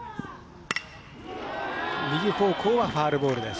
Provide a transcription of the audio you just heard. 右方向はファウルボールです。